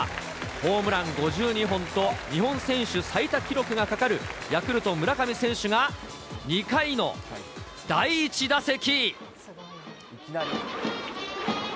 ホームラン５２本と、日本選手最多記録がかかるヤクルト、村上選手が２回の第１打席。